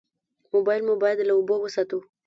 موبایل مو باید له اوبو وساتو.